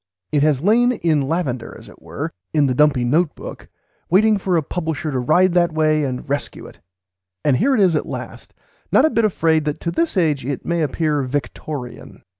It has lain, in lavender as it were, in the dumpy note book, waiting for a publisher to ride that way and rescue it; and here he is at last, not a bit afraid that to this age it may appear "Victorian."